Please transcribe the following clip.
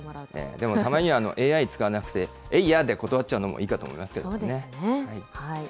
でもたまにはＡＩ使わなくて、えいやで断っちゃうのもいいかと思いますけれどもね。